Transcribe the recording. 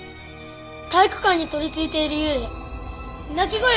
体育館にとりついている幽霊。